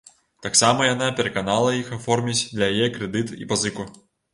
Таксама яна пераканала іх аформіць для яе крэдыт і пазыку.